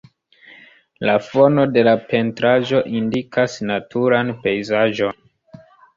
La fono de la pentraĵo indikas naturan pejzaĝon.